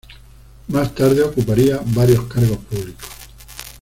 Más tarde ocuparía varios cargos públicos.